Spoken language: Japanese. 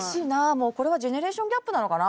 もうこれはジェネレーションギャップなのかな。